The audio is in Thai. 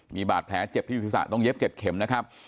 มีบาดแผลเจ็บที่ศีรษะต้องเย็บ๗เข็มนะครับ